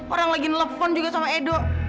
orang lagi nelfon juga sama edo